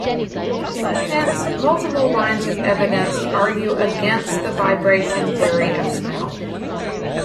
Hence multiple lines of evidence argue against the vibration theory of smell.